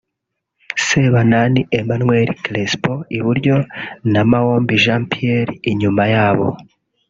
Sebanani Emmanuel Crespo (iburyo) na Maombi Jean Pierre inyuma yabo